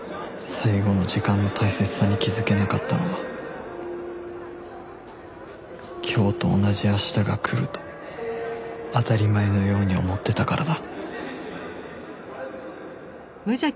最後の時間の大切さに気づけなかったのは今日と同じ明日が来ると当たり前のように思ってたからだ